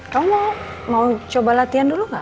kamu mau coba latihan dulu nggak